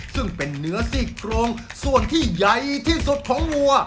ซึ่งเป็นเนื้อซีกโครงส่วนที่ใหญ่ที่สุดของวัว